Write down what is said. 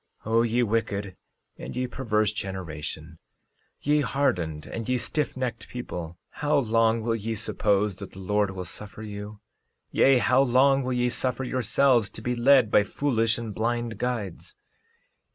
13:29 O ye wicked and ye perverse generation; ye hardened and ye stiffnecked people, how long will ye suppose that the Lord will suffer you? Yea, how long will ye suffer yourselves to be led by foolish and blind guides?